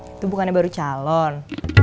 itu bukannya baru calon